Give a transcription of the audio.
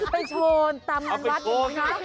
ไปโชว์ตามตลาดนักอยู่นะ